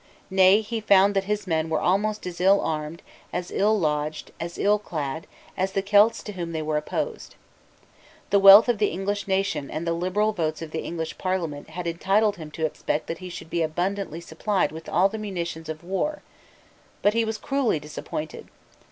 Nay, he found that his men were almost as ill armed, as ill lodged, as ill clad, as the Celts to whom they were opposed. The wealth of the English nation and the liberal votes of the English parliament had entitled him to expect that he should be abundantly supplied with all the munitions of war. But he was cruelly disappointed.